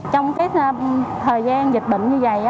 trong cái thời gian dịch bệnh như vậy